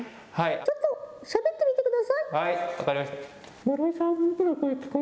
ちょっとしゃべってみてくだ